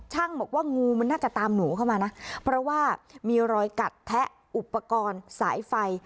บอกว่างูมันน่าจะตามหนูเข้ามานะเพราะว่ามีรอยกัดแทะอุปกรณ์สายไฟ